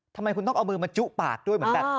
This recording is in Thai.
ทำไมคุณต้องเอามือมาจุปากด้วย